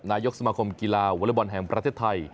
นายกสมาคมกีฬาวอเล็กบอลแห่งประเทศไทย